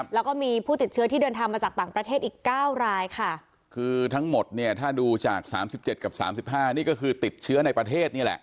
แล้วก็มีผู้ติดเชื้อที่เดินทางมาจากต่างประเทศอีกเก้ารายค่ะคือทั้งหมดเนี่ยถ้าดูจากสามสิบเจ็ดกับสามสิบห้านี่ก็คือติดเชื้อในประเทศนี่แหละ